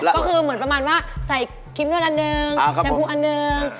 ก็คือเหมือนประมาณว่าใส่ครีมนวดอันหนึ่งแชมพูอันหนึ่ง